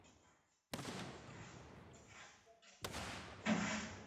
نجیب الله زدران د توپ سره ښه لوبه کوي.